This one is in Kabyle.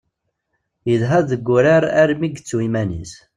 Idha deg wurar armi yettu iman-is.